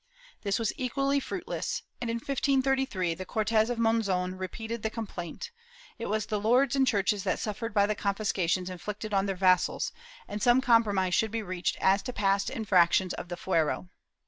This was equally fruitless and, in 1533, the Cortes of Monzon repeated the complaint; it was the lords and churches that suffered by the confiscations inflicted on their vassals, and some compromise should be reached as to past infractions of the fuero.